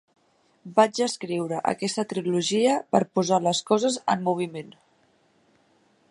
Vaig escriure aquesta trilogia per posar les coses en moviment.